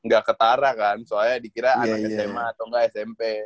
gak ketara kan soalnya dikira anak sma atau smp